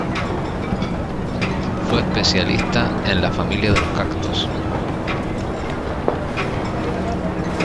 Fue especialista en la familia de los cactos.